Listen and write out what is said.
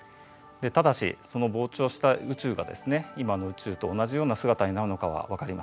ただしその膨張した宇宙がですね今の宇宙と同じような姿になるのかは分かりませんね。